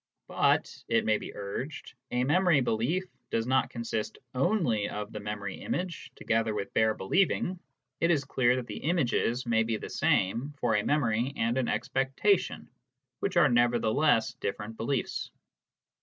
But, it may be urged, a memory belief does not consist only of the memory image, together with bare believing : it is clear that the images may be the same for a memory and an expectation, which are nevertheless different beliefs.